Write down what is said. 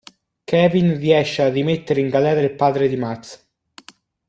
Kevin riesce a rimettere in galera il padre di Max.